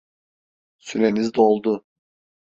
Süreniz doldu.